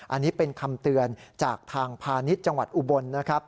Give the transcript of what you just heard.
อันนี้เป็นคำเตือนจากทางพาณิชย์จังหวัดอุบลนะครับ